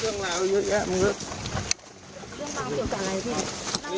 เรื่องราวเกี่ยวกับอะไรครับพี่